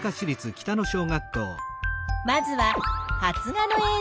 まずは発芽のえい